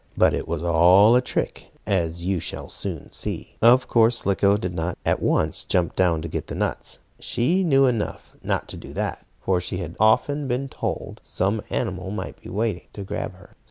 But it was all a trick, as you shall soon see. Of course Slicko did not at once jump down to get the nuts. She knew enough not to do that, for she had often been told some animal might be waiting to grab her.